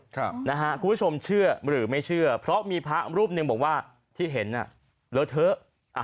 คุณผู้ชมเชื่อหรือไม่เชื่อเพราะมีพระรูปหนึ่งบอกว่าที่เห็นน่ะเลอะเทอะ